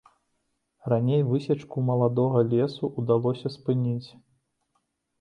Раней высечку маладога лесу ўдалося спыніць.